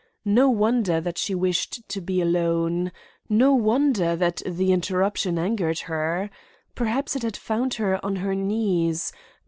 No wonder that she wished to be alone. No wonder that interruption angered her. Perhaps it had found her on her knees.